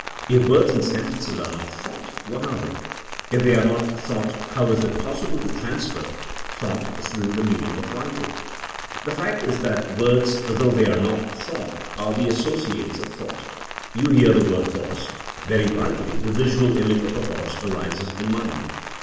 If words and sentences are not thought, what are they f If they are not thought how is it possible to transfer thought through the medium of writing? The fact is that words, though they are not thought, are the associates of thought. You hear the word horse.'* Very likely the visual image of a horse arises in mind.